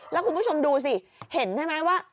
แล้วคุณผู้ชมดูสิเห็นใช่ไหมว่า